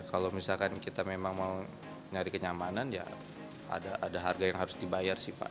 kalau misalkan kita memang mau nyari kenyamanan ya ada harga yang harus dibayar sih pak